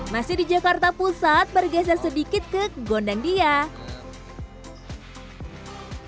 masih di jakarta pusat bergeser sedikit ke gondang dia